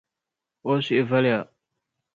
O suhu valiya.